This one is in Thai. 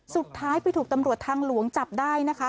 สุดท้ายไปถูกตำรวจทางหลวงจับได้นะคะ